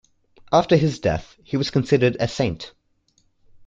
After his death he was considered a saint.